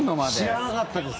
知らなかったです。